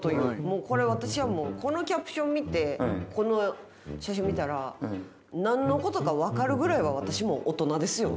もうこれ私はもうこのキャプション見てこの写真見たら何のことか分かるぐらいは私も大人ですよ。